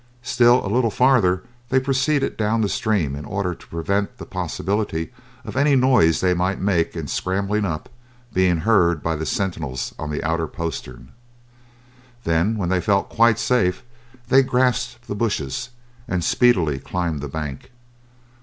Still a little farther they proceeded down the stream in order to prevent the possibility of any noise they might make in scrambling up being heard by the sentinels on the outer postern. Then when they felt quite safe they grasped the bushes, and speedily climbed the bank.